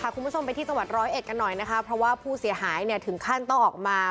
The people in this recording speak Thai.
คุณผู้ชมไปที่จังหวัดร้อยเอ็ดกันหน่อยนะคะเพราะว่าผู้เสียหายเนี่ยถึงขั้นต้องออกมา